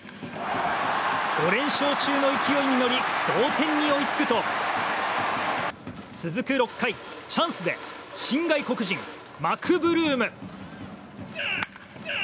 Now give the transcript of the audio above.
５連勝中の勢いに乗り同点に追いつくと続く６回、チャンスで新外国人、マクブルーム。